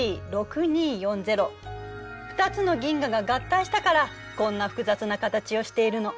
２つの銀河が合体したからこんな複雑な形をしているの。